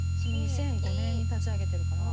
２００５年に立ち上げてるから。